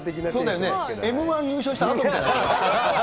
Ｍー１優勝したあとみたいな。